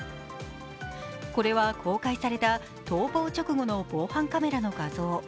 これは公開された逃亡直後の防犯カメラの画像。